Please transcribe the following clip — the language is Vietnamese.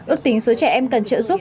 ước tính số trẻ em cần trợ giúp